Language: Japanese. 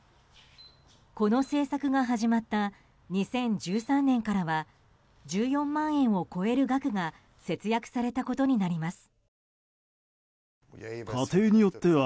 この政策が始まった２０１３年からは１４万円を超える額が節約されたことになります。